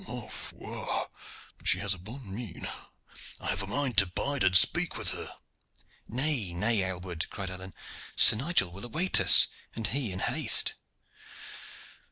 Ma foi! but she has a bonne mine. I have a mind to bide and speak with her." "Nay, nay, Aylward," cried Alleyne. "Sir Nigel will await us, and he in haste."